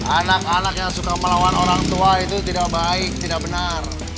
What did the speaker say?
anak anak yang suka melawan orang tua itu tidak baik tidak benar